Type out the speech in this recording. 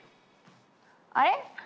あれ？